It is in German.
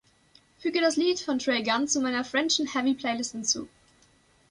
Füge das Lied von Trey Gunn zu meiner French‘N‘Heavy Playlist hinzu.